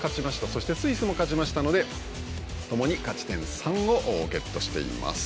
そしてスイスも勝ちましたので共に勝ち点３をゲットしています。